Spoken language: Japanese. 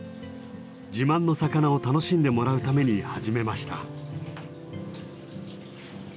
自慢の魚を楽しんでもらうために始めました。